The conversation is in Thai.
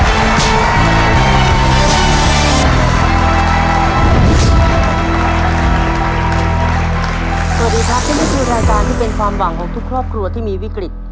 สวัสดีครับและนี่คือรายการที่เป็นความหวังของทุกครอบครัวที่มีวิกฤต